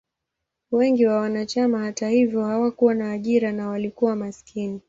Wengi wa wanachama, hata hivyo, hawakuwa na ajira na walikuwa maskini.